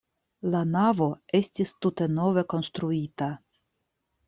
La navo estis tute nove konstruita.